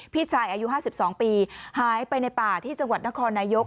พี่ชายอายุ๕๒ปีหายไปในป่าที่จังหวัดนครนายก